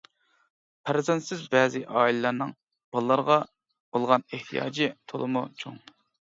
پەرزەنتسىز بەزى ئائىلىلەرنىڭ بالىلارغا بولغان ئېھتىياجى تولىمۇ چوڭ.